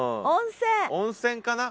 温泉かな。